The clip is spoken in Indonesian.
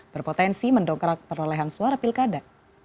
berpotensi mendongkrak perolehan suara pilkada